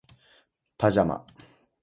パジャマ